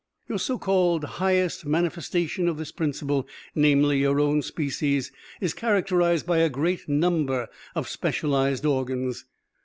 Your so called highest manifestation of this principle, namely, your own species, is characterized by a great number of specialized organs.